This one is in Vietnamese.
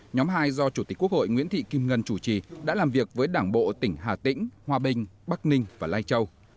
nhóm hai do chủ tịch quốc hội nguyễn thị kim ngân chủ trì đã làm việc với đảng bộ tỉnh hà tĩnh hòa bình bắc ninh và lai châu